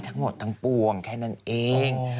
ทั้งหมดทั้งปวงแค่นั้นเอง